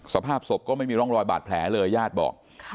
สภาพศพก็ไม่มีร่องรอยบาดแผลเลยญาติบอก